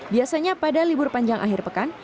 biasanya pada libur panjang akhir pekan